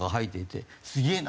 「すげえな」。